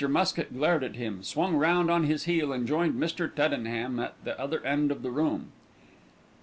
Muskett glared at him, swung round on his heel and joined Mr. Tuddenham at the other end of the room.